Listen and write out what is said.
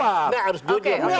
anda harus jujur